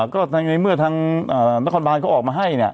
ก็ในเมื่อทางนครบานเขาออกมาให้เนี่ย